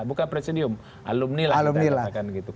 bukan presidium alumni lah kita katakan gitu